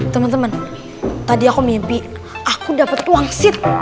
temen temen tadi aku mimpi aku dapat wangsit